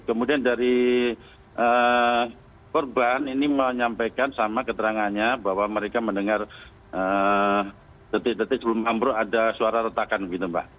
kemudian dari korban ini menyampaikan sama keterangannya bahwa mereka mendengar detik detik sebelum ambruk ada suara retakan gitu mbak